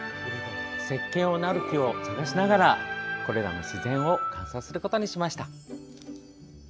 せっけんのなる木を探しながらこれらの自然を観察することにしました。